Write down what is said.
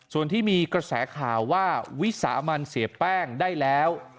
ส่วนที่มีกระแสข่าวว่าวิสามันเสียแป้งได้แล้ว